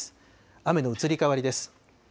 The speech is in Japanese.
雨の移り変わりです。